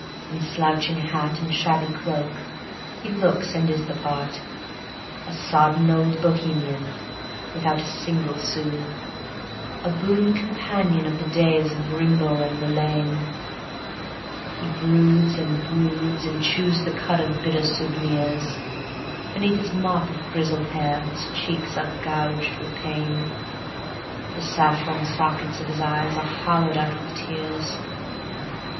In slouching hat and shabby cloak he looks and is the part, A sodden old Bohemian, without a single sou. A boon companion of the days of Rimbaud and Verlaine, He broods and broods, and chews the cud of bitter souvenirs; Beneath his mop of grizzled hair his cheeks are gouged with pain, The saffron sockets of his eyes are hollowed out with tears.